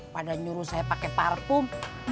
pada nyuruh saya pakai parfum